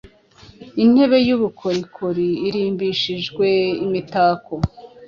Intebe yubukorikori irimbishijwe imitako